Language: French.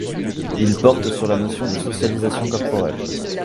Il porte sur la notion de socialisation corporelle.